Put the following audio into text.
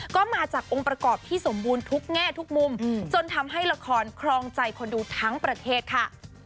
ก็มาจากองค์ประกอบที่สมบูรณ์ทุกแง่ทุกมุมจนทำให้ละครครองใจคนดูทั้งประเทศค่ะ